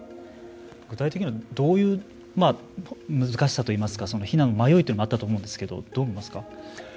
具体的にはどういう難しさといいますか避難の迷いがあったと思うんですがどう見ますか。